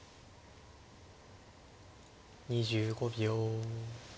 ２５秒。